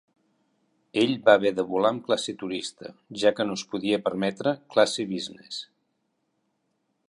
Ell va haver de volar amb classe turista, ja que no es podia permetre classe "business".